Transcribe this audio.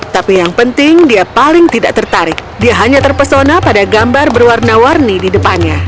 tapi yang penting dia paling tidak tertarik dia hanya terpesona pada gambar berwarna warni di depannya